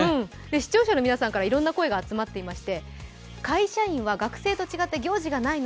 視聴者の皆さんからいろんな声が集まっています。